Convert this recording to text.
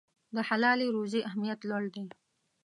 د حلالې روزي اهمیت لوړ دی.